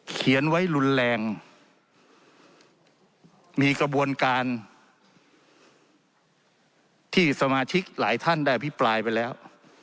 เขียนไว้รุนแรงมีกระบวนการที่สมาชิกหลายท่านได้อภิปรายไปแล้ว